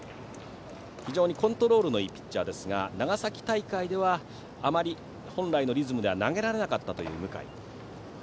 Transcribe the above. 非常にコントロールのいいピッチャーですが長崎大会ではあまり本来のリズムでは投げられなかったという向井。